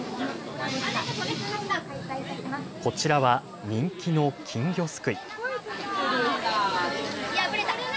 こちらは人気の金魚すくい。